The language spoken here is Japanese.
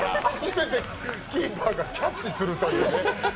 全てキーパーがキャッチするという。